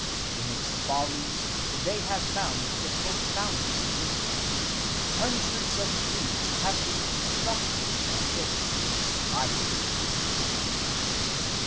In its follies they have found the profoundest wisdom. Hundreds of creeds have been constructed from its inspired passages.